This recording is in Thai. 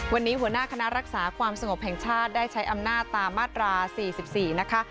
วันนี้หัวหน้าคณะรักษาความสงบแห่งชาติได้ใช้อำนาจตามมาตรา๔๔นะคะ